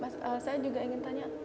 saya juga ingin tanya